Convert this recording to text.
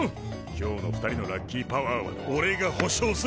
今日の２人のラッキーパワーはおれが保証する！